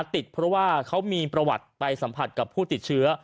ติดเพราะว่าเขามีประวัติไปสัมผัสกับผู้ติดเชื้อ